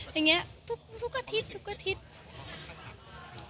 อย่างนี้ทุกอาทิตย์ทุกอาทิตย์